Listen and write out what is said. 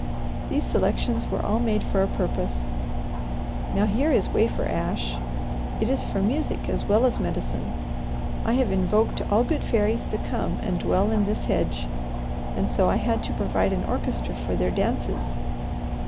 These selections were all made for a purpose. Now here is wafer ash; it is for music as well as medicine. I have invoked all good fairies to come and dwell in this hedge, and so I had to provide an orchestra for their dances.